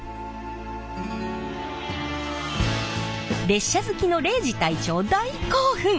列車好きの礼二隊長大興奮。